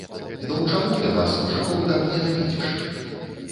Ну чаму ты нас, мужыкоў, так ненавідзіш?